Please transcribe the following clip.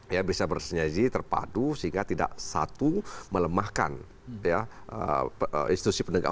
ya bisa bersinergi terpadu sehingga tidak satu melemahkan ya institusi pendegang hukum